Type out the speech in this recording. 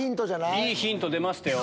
いいヒント出ましたよ。